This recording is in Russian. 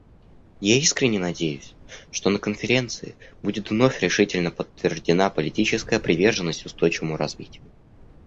Я искренне надеюсь, что на Конференции будет вновь решительно подтверждена политическая приверженность устойчивому развитию.